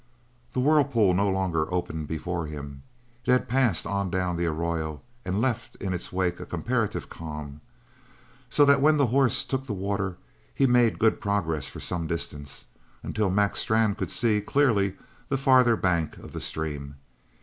The whirlpool no longer opened before him it had passed on down the arroyo and left in its wake a comparative calm. So that when the horse took the water he made good progress for some distance, until Mac Strann could see, clearly, the farther bank of the stream.